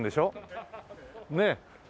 ねえ。